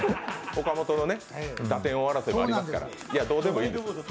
岡本の打点王争いもありますから、どうでもいい。